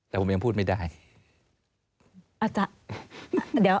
แต่ผมยังพูดไม่ได้